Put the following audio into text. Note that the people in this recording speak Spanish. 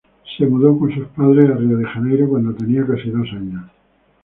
Se mudó con sus padres a Río de Janeiro cuando tenía casi dos años.